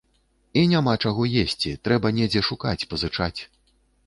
І няма чаго есці, трэба недзе шукаць, пазычаць.